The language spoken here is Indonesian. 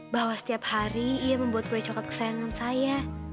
bahwa setiap hari ia membuat gue coket kesayangan saya